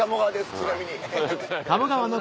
ちなみに。